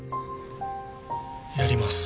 やります